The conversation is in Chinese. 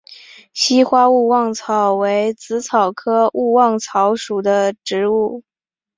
稀花勿忘草为紫草科勿忘草属的植物。